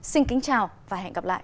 xin kính chào và hẹn gặp lại